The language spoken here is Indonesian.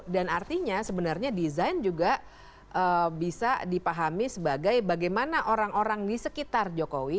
dan artinya sebenarnya desain juga bisa dipahami sebagai bagaimana orang orang di sekitar jokowi